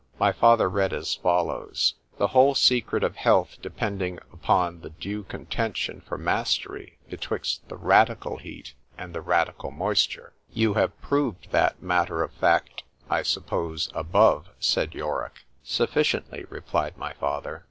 My father read as follows: "The whole secret of health depending upon the due contention for mastery betwixt the radical heat and the radical moisture"—You have proved that matter of fact, I suppose, above, said Yorick. Sufficiently, replied my father.